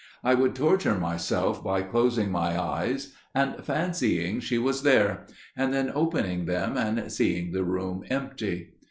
I would torture myself by closing my eyes, and fancying she was there; and then opening them and seeing the room empty.